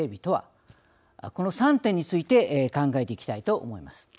この３点について考えていきたいと思います。